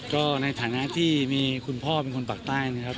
ก็ในฐานะที่มีคุณพ่อเป็นคนปากใต้นะครับ